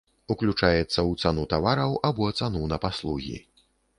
Уключаецца ў цану тавараў або цану на паслугі.